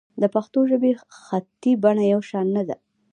د پښتو ژبې خطي بڼه یو شان نه ده.